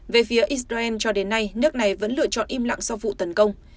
về phía israel cho đến nay nước này vẫn lựa chọn im lặng sau vụ tấn công